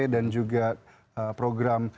dan juga program